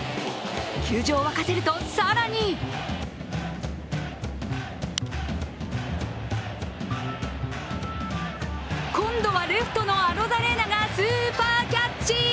球場を沸かせると、更に今度はレフトのアロザレーナがスーパーキャッチ。